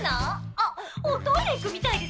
あっおトイレ行くみたいですわ。